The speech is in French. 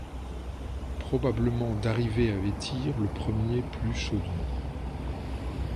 Probablement d’arriver à vêtir le premier plus chaudement.